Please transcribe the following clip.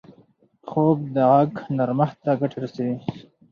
خوب د غږ نرمښت ته ګټه رسوي